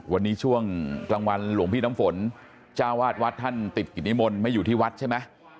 วันนี้ช่วงกลางวันหลวงพี่น้ำฝนจ้าวาดวัดท่านติดกิจนิมนต์ไม่อยู่ที่วัดใช่ไหม